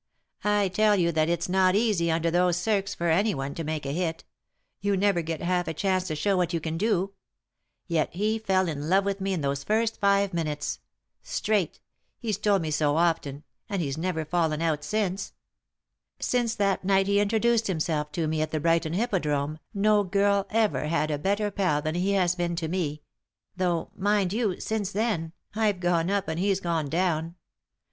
I tell you that it's not easy, under those circs., for anyone to make a hit ; you never get half a chance to show what you can do ; yet he fell in love with me in those first five minutes. Straight I — he's told me so often — and he's never fallen out since. Since that night he introduced himself to me at the Brighton Hippodrome no girl ever had a better pal than he has been to me 3i 9 iii^d by Google THE INTERRUPTED KISS — though, mind you, since then, I've gone up and he's gone down.